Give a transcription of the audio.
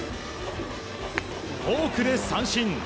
フォークで三振。